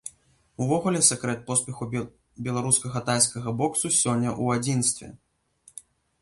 Увогуле сакрэт поспеху беларускага тайскага боксу сёння ў адзінстве.